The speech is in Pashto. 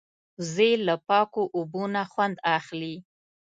وزې له پاکو اوبو نه خوند اخلي